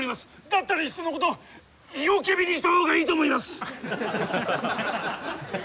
だったらいっそのこと「イオキベ」にしたほうがいいと思います！